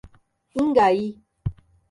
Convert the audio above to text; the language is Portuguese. Ingaí